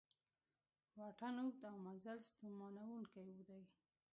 واټن اوږد او مزل ستومانوونکی دی